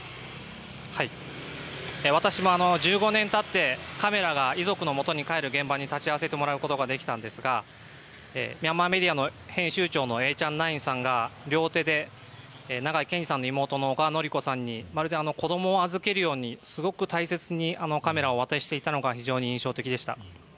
私も１５年経ってカメラが遺族のもとに帰る現場に立ち会わせてもらうことができたんですがミャンマーメディアの編集長のエーチャンナインさんが両手で長井健司さんの妹の小川典子さんにまるで子供を預けるようにすごく大切にカメラを渡していたのが非常に印象的でした。